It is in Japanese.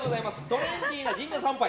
トレンディーな神社参拝。